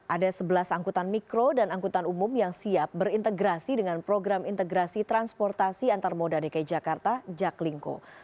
ada sebelas angkutan mikro dan angkutan umum yang siap berintegrasi dengan program integrasi transportasi antar moda dki jakarta jaklingko